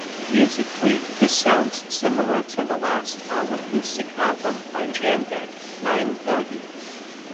Musically, this sounds similar to the last all-acoustic album by Jandek, "Nine-Thirty".